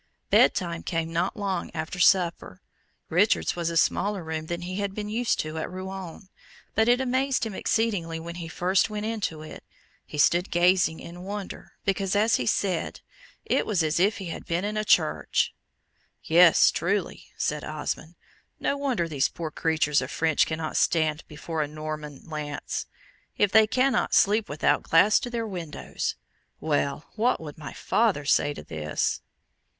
Bedtime came not long after supper. Richard's was a smaller room than he had been used to at Rouen; but it amazed him exceedingly when he first went into it: he stood gazing in wonder, because, as he said, "It was as if he had been in a church." "Yes, truly!" said Osmond. "No wonder these poor creatures of French cannot stand before a Norman lance, if they cannot sleep without glass to their windows. Well! what would my father say to this?"